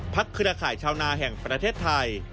เครือข่ายชาวนาแห่งประเทศไทย